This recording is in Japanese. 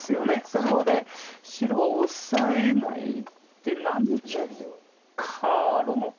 そこで白はオサえないで何かあるのかな。